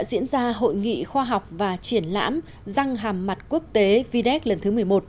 diễn ra hội nghị khoa học và triển lãm răng hàm mặt quốc tế viett lần thứ một mươi một